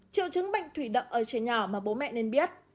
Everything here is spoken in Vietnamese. triệu chứng bệnh thủy đậm ở trẻ nhỏ mà bố mẹ nên biết